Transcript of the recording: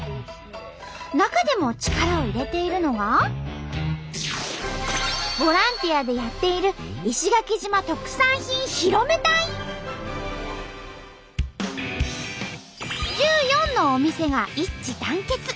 中でも力を入れているのがボランティアでやっている１４のお店が一致団結。